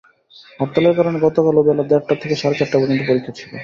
হরতালের কারণে গতকালও বেলা দেড়টা থেকে সাড়ে চারটা পর্যন্ত পরীক্ষা ছিল।